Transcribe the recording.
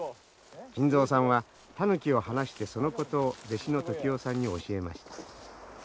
金蔵さんはタヌキを放してそのことを弟子の時男さんに教えます。